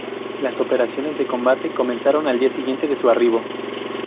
Las operaciones de combate comenzaron al día siguiente de su arribo.